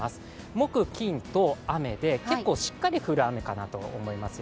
木・金と雨で、結構しっかり降る雨だと思いますよ。